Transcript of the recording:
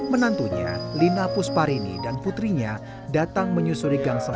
menantunya lina pusparini dan putrinya datang menyusuri gangsarabah